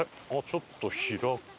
ちょっと開けた。